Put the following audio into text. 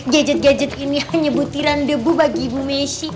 gadget gadget ini hanya butiran debu bagi ibu messi